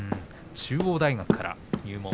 中央大学から入門。